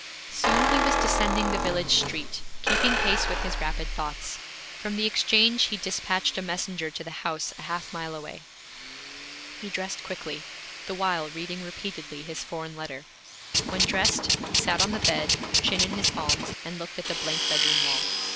Soon he was descending the village street, keeping pace with his rapid thoughts. From the exchange he dispatched a messenger to the house a half mile away. He dressed quickly, the while reading repeatedly his foreign letter. When dressed, he sat on the bed, chin in his palms, and looked at the blank bedroom wall.